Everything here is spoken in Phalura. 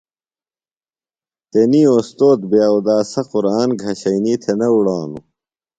تنی اوستوذ بے اوداسُو قُرآن گھشنیۡ تھےۡ نہ اُڑانُوۡ۔